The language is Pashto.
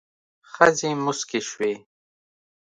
ښځې موسکې شوې.